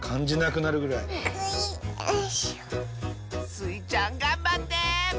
スイちゃんがんばって！